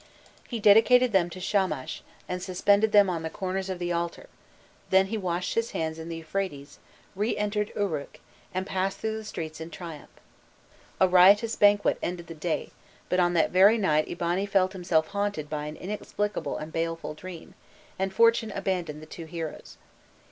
He dedicated them to Shamash, and suspended them on the corners of the altar; then he washed his hands in the Euphrates, re entered Uruk, and passed through the streets in triumph. A riotous banquet ended the day, but on that very night Eabani felt himself haunted by an inexplicable and baleful dream, and fortune abandoned the two heroes.